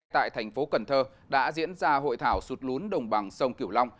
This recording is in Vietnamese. tại thành phố cần thơ đã diễn ra hội thảo sụt lún đồng bằng sông kiểu long